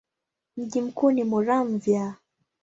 Mji mkuu ni Muramvya.